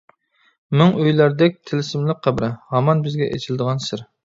مىڭ ئۆيلەردەك تىلسىملىق قەبرە، ھامان بىزگە ئېچىلىدىغان سىر.